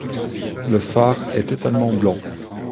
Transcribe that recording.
Le phare est totalement blanc.